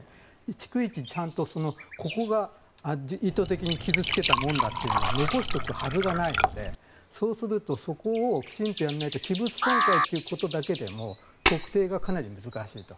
逐一ちゃんとここが意図的に傷付けたものだと残しておくはずがないのでそうすると、そこをきちんとやらないと器物損壊ということだけでも特定がかなり難しいと。